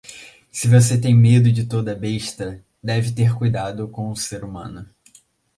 Se você tem medo de toda besta, deve ter cuidado com o ser humano.